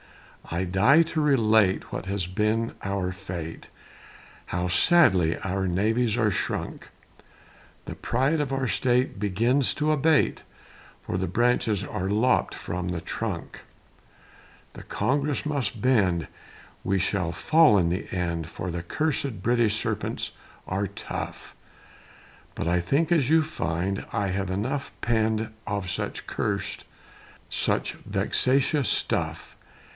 I die to relate What has been our fate, How sadly our navies are shrunk; The pride of our State Begins to abate, For the branches are lopp'd from the trunk. The Congress must bend, We shall fall in the end, For the curs'd British sarpents are tough; But, I think as you find, I have enough penn'd Of such cursèd, such vexatious stuff.